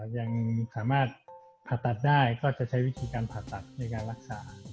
ยังสามารถผ่าตัดได้ก็จะใช้วิธีการผ่าตัดในการรักษา